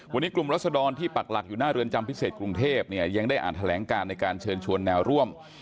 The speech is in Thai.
วันนี้กลุ่มรัศดรที่ปักหลักอยู่หน้าเรือนจำพิเศษกรุงเทพเนี่ยยังได้อ่านแถลงการในการเชิญชวนแนวร่วม